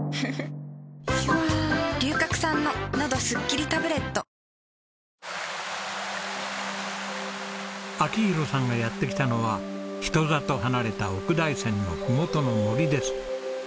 「ポリグリップ」明宏さんがやって来たのは人里離れた奥大山のふもとの森です。